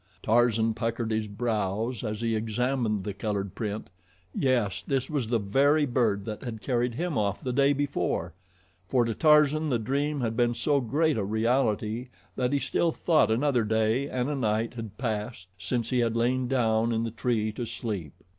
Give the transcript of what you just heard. Tarzan puckered his brows as he examined the colored print. Yes, this was the very bird that had carried him off the day before, for to Tarzan the dream had been so great a reality that he still thought another day and a night had passed since he had lain down in the tree to sleep.